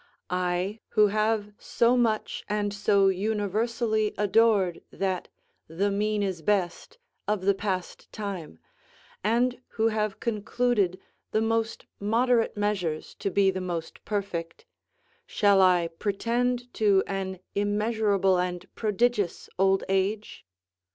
I, who have so much and so universally adored that "The mean is best," of the passed time, and who have concluded the most moderate measures to be the most perfect, shall I pretend to an immeasurable and prodigious old age?